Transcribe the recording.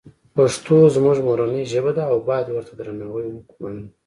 پښتوزموږمورنی ژبه ده اوبایدورته درناوی وکومننه